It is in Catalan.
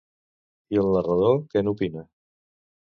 I el narrador, què n'opina?